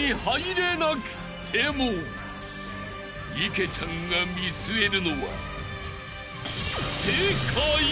［池ちゃんが見据えるのは］